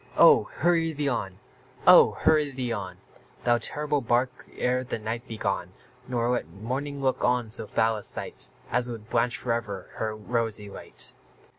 Oh! hurry thee on oh! hurry thee on, Thou terrible bark, ere the night be gone, Nor let morning look on so foul a sight As would blanch for ever her rosy light!